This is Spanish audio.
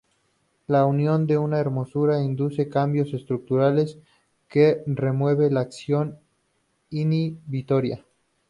La unión de una hormona induce cambios estructurales que remueve la acción inhibitoria.